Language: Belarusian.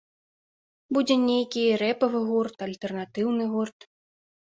Будзе нейкі рэпавы гурт, альтэрнатыўны гурт.